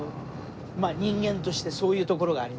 まあ人間としてそういうところがありますね。